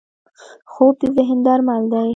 خوب د ذهن درمل دی